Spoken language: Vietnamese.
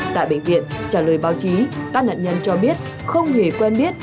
tại bệnh viện trả lời báo chí các nạn nhân cho biết không hề quen biết